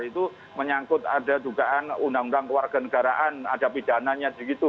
itu menyangkut ada jugaan undang undang warga negaraan ada pidananya gitu